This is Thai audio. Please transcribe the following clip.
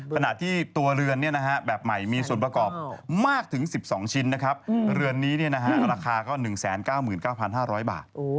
ขณะที่ตัวเรือนแบบใหม่มีส่วนประกอบมากถึง๑๒ชิ้นนะครับเรือนนี้ราคาก็๑๙๙๕๐๐บาท